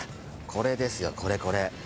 これですよ、これ、これ！